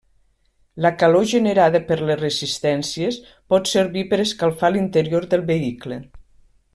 La calor generada per les resistències pot servir per escalfar l'interior del vehicle.